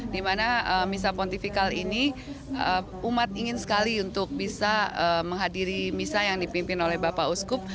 dimana misa pontifikal ini umat ingin sekali untuk bisa menghadiri misa yang dipimpin oleh bapak uskup